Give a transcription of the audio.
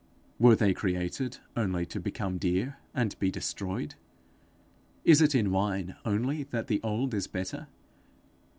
Were they created only to become dear, and be destroyed? Is it in wine only that the old is better?